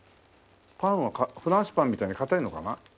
パンはフランスパンみたいに硬いのかな？